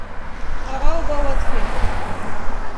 هغه اوبه وڅښلې.